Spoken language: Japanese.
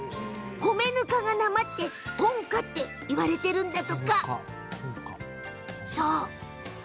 米ぬかがなまってこんかっていわれてるんだとか。